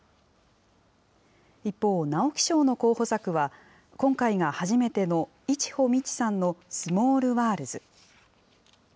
一方、直木賞の候補作は、今回が初めての一穂ミチさんのスモールワールズ。